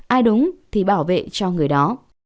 ai đúng thì bảo vệ cho người đó